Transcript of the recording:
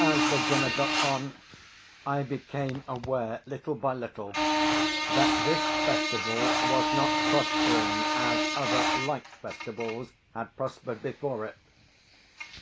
As the dinner got on, I became aware, little by little, that this festival was not prospering as other like festivals had prospered before it.